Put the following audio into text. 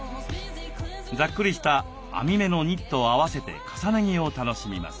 ざっくりした網目のニットを合わせて重ね着を楽しみます。